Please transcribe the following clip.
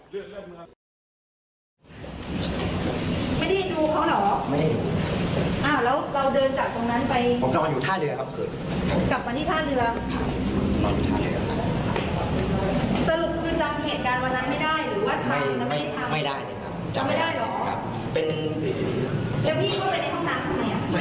พี่เข้าไปในปั๊มแล้วพี่ไปอาบน้ำหรือว่ายังไง